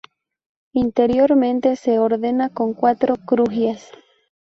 Interiormente se ordena con cuatro crujías.